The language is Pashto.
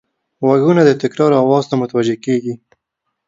غوږونه د تکرار آواز ته متوجه کېږي